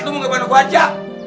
lu mau gabungin gua aja